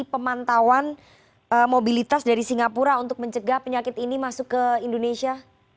pemantauan mobilitas dari singapura untuk mencegah penyakit ini masuk ke indonesia